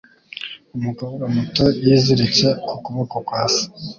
Umukobwa muto yiziritse ku kuboko kwa se.